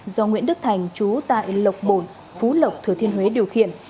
do nguyễn đức thành chú tại lộc bồn phú lộc thừa thiên huế điều khiển